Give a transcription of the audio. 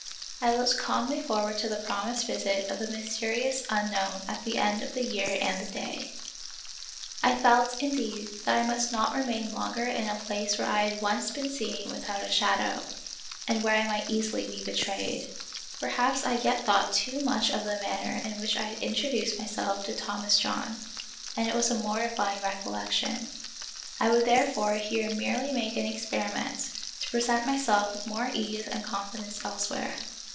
I looked calmly forward to the promised visit of the mysterious Unknown at the end of the year and the day. of Peter Schlemihl. 31 I felt, indeed, that I must not remain longer in a place where I had once been seen without a shadow, and where I might easily be betrayed. Perhaps I yet thought too much of the manner in which I had introduced myself to Thomas John, and it was a mortifying recollection. I would therefore here merely make an experi ment, to present myself with more ease and con fidence elsewhere.